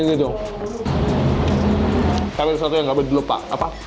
saya beli satu yang tidak boleh dilupa